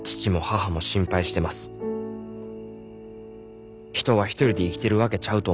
人は一人で生きてるわけちゃうと思います。